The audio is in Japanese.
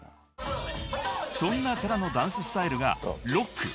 ［そんなＴａｒａのダンススタイルがロック］